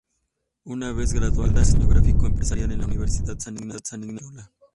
Una vez graduada, estudió diseño gráfico empresarial en la Universidad San Ignacio de Loyola.